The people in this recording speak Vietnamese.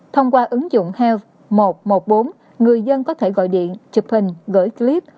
thông qua ứng dụng health một trăm một mươi bốn người dân có thể gọi điện chụp hình gửi clip